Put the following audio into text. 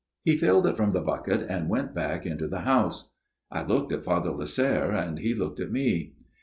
" He filled it from the bucket and went back into the house. " I looked at Father Lasserre, and he looked at me.